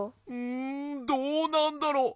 んどうなんだろう。